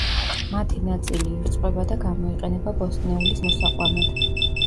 მათი ნაწილი ირწყვება და გამოიყენება ბოსტნეულის მოსაყვანად.